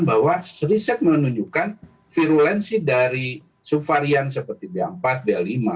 bahwa riset menunjukkan virulensi dari subvarian seperti b empat b lima